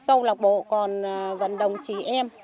câu lộc bộ còn gần đồng chị em